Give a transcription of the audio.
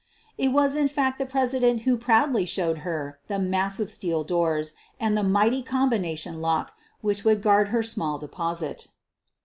It was in fact the president who proudly showed her the massive steel doors and the mighty combi 152 SOPHIE LYONS nation lock which would guard her small deposit.